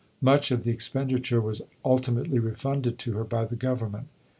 Much of the expenditure was ultimately refunded to her by the Government.